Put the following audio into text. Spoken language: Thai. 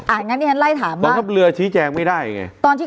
อ่างั้นเนี่ยไล่ถามว่ากองทัพเรือชี้แจงไม่ได้ไง